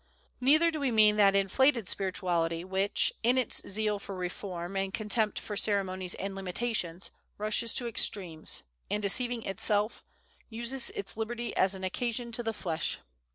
Neither do we mean that inflated spirituality, which, in its zeal for reform, and contempt for ceremonies and limitations, rushes to extremes, and, deceiving itself, "uses its liberty as an occasion to the flesh."